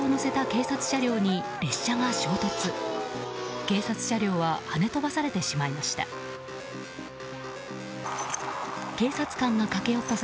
警察車両ははね飛ばされてしまいました。